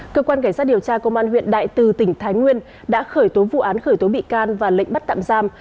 cơ quan cảnh sát điều tra công an huyện đại từ tỉnh thái nguyên đã khởi tố vụ án khởi tố bị can và lệnh bắt tạm giam